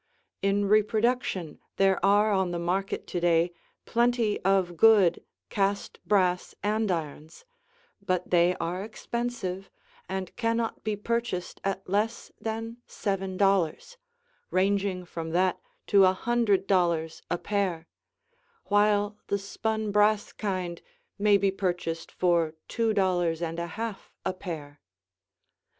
In reproduction there are on the market to day plenty of good, cast brass andirons, but they are expensive and cannot be purchased at less than seven dollars, ranging from that to a hundred dollars a pair, while the spun brass kind may be purchased for two dollars and a half a pair.